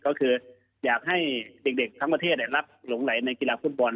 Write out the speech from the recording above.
ก็คืออยากให้เด็กทั้งประเทศรับหลงไหลในกีฬาฟุตบอล